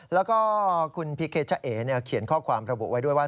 แล้วก็คุณพีเคชะเอเขียนข้อความระบุไว้ด้วยว่า